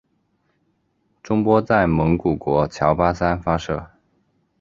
中波在蒙古国乔巴山发射。